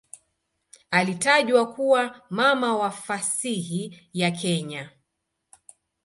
Alitajwa kuwa "mama wa fasihi ya Kenya".